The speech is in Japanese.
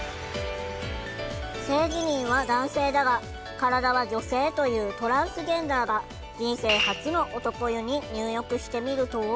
性自認は男性だが体は女性というトランスジェンダーが人生初の男湯に入浴してみると。